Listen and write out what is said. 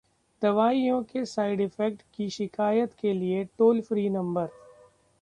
दवाइयों के side effect की शिकायत के लिए टोल फ्री नंबर